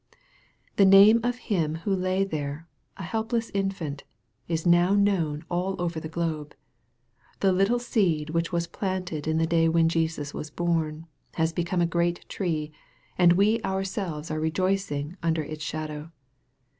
The name of Him who lay there, a helpless infant, is now known all over the globe. The little seed which was planted in the day when Jesus was born, has become a great tree, and we ourselves are rejoicing under its shadow.